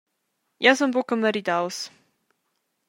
Jeu sun buca maridaus.